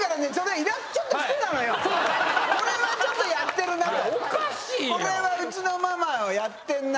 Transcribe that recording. これはちょっとやってるなと。